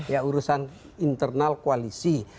ya urusan internal koalisi